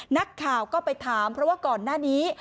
นักข่าวก็ไปถามเพราะว่าก่อนหน้านี้